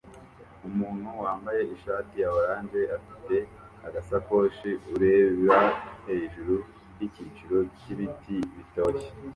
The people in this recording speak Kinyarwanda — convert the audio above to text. Umuntu wambaye ishati ya orange afite agasakoshi ureba hejuru yicyiciro cyibiti bitoshye